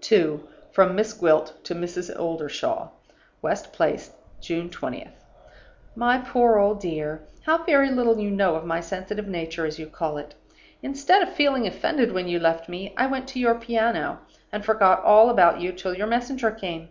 2. From Miss Gwilt to Mrs. Oldershaw. "West Place, June 20th. "MY POOR OLD DEAR How very little you know of my sensitive nature, as you call it! Instead of feeling offended when you left me, I went to your piano, and forgot all about you till your messenger came.